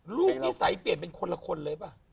นิสัยเปลี่ยนเป็นคนละคนเลยป่ะ